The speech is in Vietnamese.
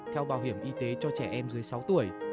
theo bảo hiểm y tế cho trẻ em dưới sáu tuổi